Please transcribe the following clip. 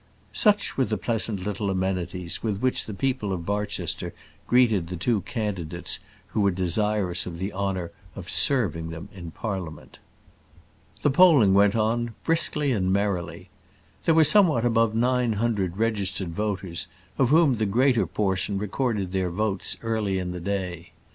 Such were the pleasant little amenities with which the people of Barchester greeted the two candidates who were desirous of the honour of serving them in Parliament. The polling went on briskly and merrily. There were somewhat above nine hundred registered voters, of whom the greater portion recorded their votes early in the day.